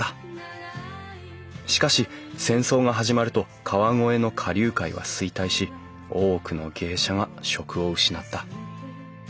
しかし戦争が始まると川越の花柳界は衰退し多くの芸者が職を失った。